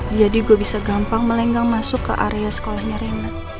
jadi gue bisa gampang melenggang masuk ke area sekolahnya reina